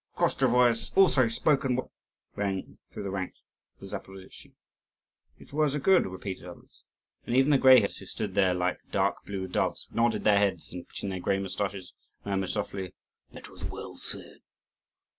"The Koschevoi has also spoken well!" rang through the ranks of the Zaporozhtzi. "His words are good," repeated others. And even the greyheads, who stood there like dark blue doves, nodded their heads and, twitching their grey moustaches, muttered softly, "That was well said."